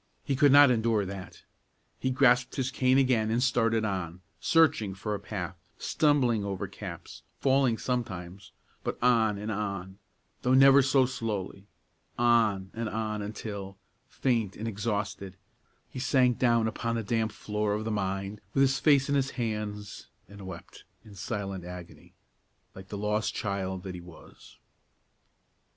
He could not endure that. He grasped his cane again and started on, searching for a path, stumbling over caps, falling sometimes, but on and on, though never so slowly; on and on until, faint and exhausted, he sank down upon the damp floor of the mine, with his face in his hands, and wept, in silent agony, like the lost child that he was.